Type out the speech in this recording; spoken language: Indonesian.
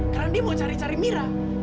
karena dia mau cari cari mira